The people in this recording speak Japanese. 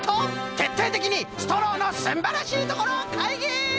てっていてきにストローのすんばらしいところかいぎ！